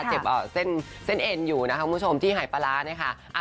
เก็บเส้นเอ็นอยู่นะคะคุณผู้ชมที่หายปลาร้าเนี่ยค่ะ